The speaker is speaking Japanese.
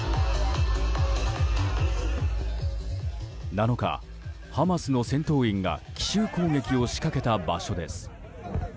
７日、ハマスの戦闘員が奇襲攻撃を仕掛けた場所です。